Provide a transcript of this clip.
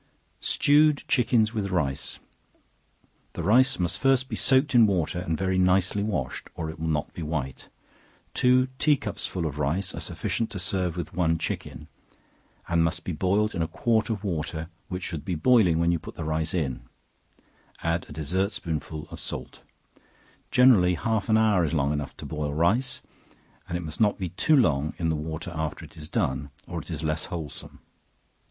Stewed Chickens With Rice. The rice must first be soaked in water, and very nicely washed, or it will not be white; two tea cupsful of rice are sufficient to serve with one chicken, and must be boiled in a quart of water, which should be boiling when you put the rice in; add a dessert spoonful of salt; generally half an hour is long enough to boil rice, and it must not be too long in the water after it is done, or it is less wholesome.